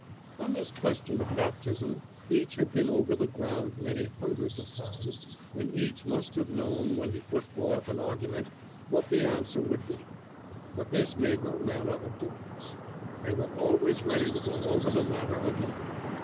On this question of Baptism each had been over the ground many hundreds of times, and each must have known when he put forth an argument what the answer would be. But this made no manner of difference. They were always ready to go over the matter again.